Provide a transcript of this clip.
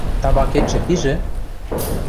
Табакетшӹ пижӹ?